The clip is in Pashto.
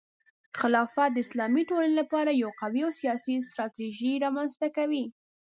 خلافت د اسلامي ټولنې لپاره یو قوي او سیاسي ستراتیژي رامنځته کوي.